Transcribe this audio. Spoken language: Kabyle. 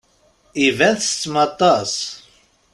Iban ttettem aṭas.